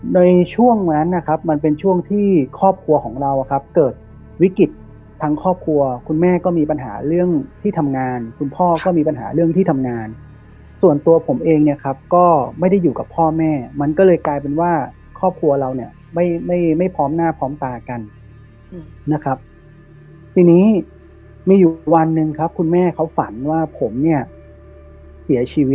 ในช่วงนั้นนะครับมันเป็นช่วงที่ครอบครัวของเราเกิดวิกฤตทั้งครอบครัวคุณแม่ก็มีปัญหาเรื่องที่ทำงานคุณพ่อก็มีปัญหาเรื่องที่ทำงานส่วนตัวผมเองเนี่ยครับก็ไม่ได้อยู่กับพ่อแม่มันก็เลยกลายเป็นว่าครอบครัวเราเนี่ยไม่ไม่พร้อมหน้าพร้อมตากันนะครับทีนี้มีอยู่วันหนึ่งครับคุณแม่เขาฝันว่าผมเนี่ยเสียชีวิต